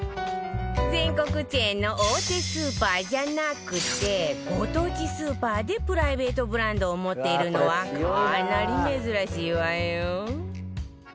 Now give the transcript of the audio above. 全国チェーンの大手スーパーじゃなくてご当地スーパーでプライベートブランドを持っているのはかなり珍しいわよ